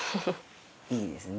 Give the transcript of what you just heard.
いいですね。